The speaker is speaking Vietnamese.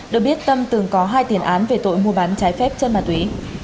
được biết tâm từng có hai tiền án về tội mua bán trái phép chất ma túy